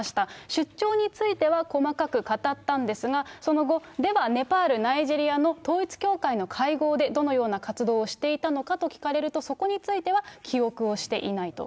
出張については、細かく語ったんですが、その後、ではネパール、ナイジェリアの統一教会の会合でどのような活動をしていたのかと聞かれると、そこについては記憶をしていないと。